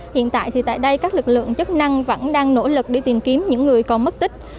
hiện tại thì tại đây các lực lượng chức năng vẫn đang nỗ lực đi tìm kiếm những người còn mất tích